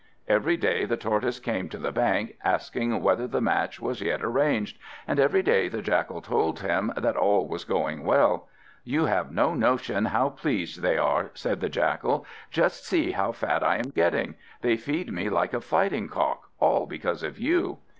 Every day the Tortoise came to the bank, asking whether the match was yet arranged, and every day the Jackal told him that all was going well. "You have no notion how pleased they are," said the Jackal. "Just see how fat I am getting. They feed me like a fighting cock, all because of you."